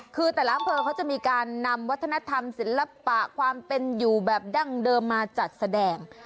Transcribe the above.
คือแต่ละอำเภอเขาจะมีการนำวัฒนธรรมศิลปะความเป็นอยู่แบบดั้งเดิมมาจัดแสดง